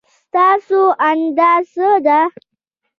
ستاسو اند څه دی؟